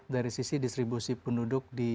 dari sisi distribusi penduduk di